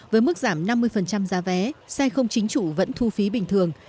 với mức giảm năm mươi giá vé xe không chính chủ vẫn thu phí bình thường